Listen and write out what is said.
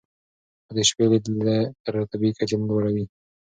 خو د شپې لید تر طبیعي کچې نه لوړوي.